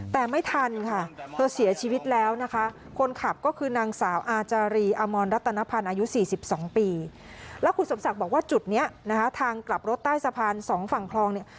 ทางกลับรถใต้สะพาน๒ฝั่งคลองนี่